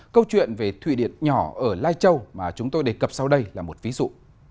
câu chuyện về thủy điện nhỏ ở lai châu mà chúng tôi đề cập sau đây là một ví dụ